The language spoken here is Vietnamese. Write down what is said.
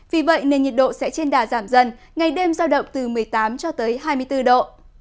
vì vậy nền nhiệt độ sẽ trên đà giảm dần ngày đêm giao động từ một mươi tám cho tới hai mươi bốn độ